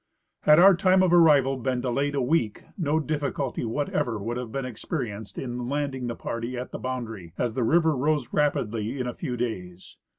Had our time of arrival been delayed a week no difficulty whatever would have been experienced in landing the party at the boundary, as the river rose rapidly in a few days.